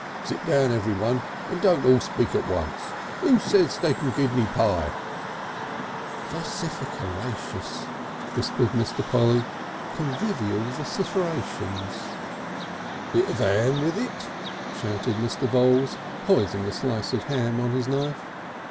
Sit down everyone and don't all speak at once. Who says steak and kidney pie?..." "Vocificeratious," whispered Mr. Polly. "Convivial vocificerations." "Bit of 'am with it," shouted Mr. Voules, poising a slice of ham on his knife.